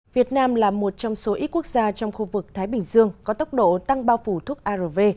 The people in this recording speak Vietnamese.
việt nam là một trong số ít quốc gia trong khu vực thái bình dương có tốc độ tăng bao phủ thuốc arv